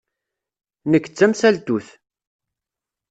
Nekk d tamsaltut.